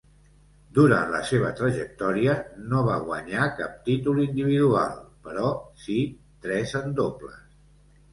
Durant la seva trajectòria no va guanyar cap títol individual però si tres en dobles.